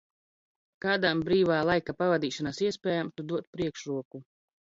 Kādām brīvā laika pavadīšanas iespējām Tu dod priekšroku?